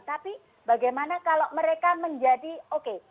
tapi bagaimana kalau mereka menjadi oke